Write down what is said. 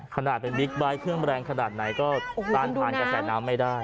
ขนาดเป็นบิ๊กไบท์เครื่องแรงขนาดไหนก็ต้านทานกระแสน้ำไม่ได้